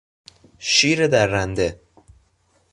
شیر درنده